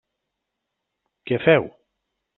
Què feu?